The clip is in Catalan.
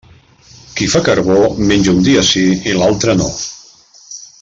Qui fa carbó menja un dia sí i l'altre no.